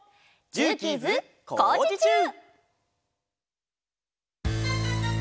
「ジューキーズ」「こうじちゅう！」